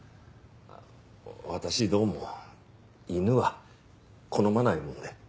私どうも犬は好まないもので。